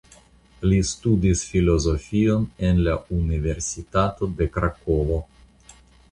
Li studis filozofion en la Universitato de Krakovo.